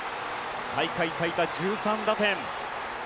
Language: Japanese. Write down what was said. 大会最多１３打点。